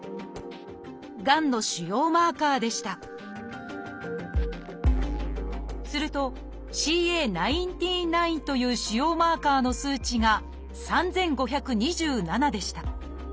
がんの腫瘍マーカーでしたすると「ＣＡ１９−９」という腫瘍マーカーの数値が３，５２７でした。